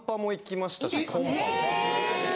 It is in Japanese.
え！？